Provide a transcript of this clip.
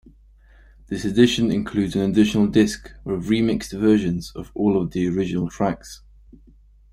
This edition includes an additional disc with remixed versions of all the original tracks.